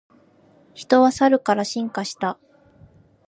人はサルから進化した